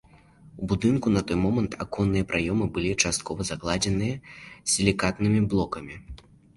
У будынку на той момант аконныя праёмы былі часткова закладзеныя сілікатнымі блокамі.